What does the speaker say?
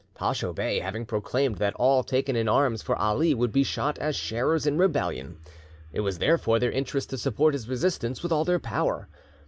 Pacho Bey having proclaimed that all taken in arms for Ali would be shot as sharers in rebellion, it was therefore their interest to support his resistance with all their power.